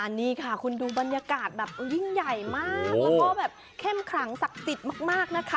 นี่ค่ะคุณดูบรรยากาศแบบยิ่งใหญ่มากแล้วก็แบบเข้มขลังศักดิ์สิทธิ์มากนะคะ